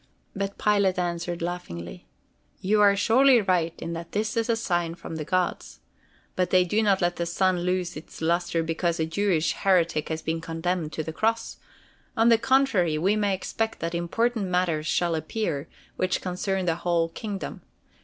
But Pilate answered laughingly: "You are surely right in that this is a sign from the gods. But they do not let the sun lose its luster because a Jewish heretic has been condemned to the cross. On the contrary, we may expect that important matters shall appear, which concern the whole kingdom.